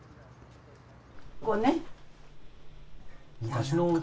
ここね。